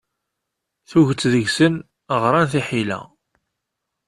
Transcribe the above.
Tuget deg-sen ɣṛan tiḥila.